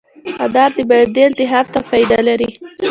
انار د معدې التهاب ته فایده لري.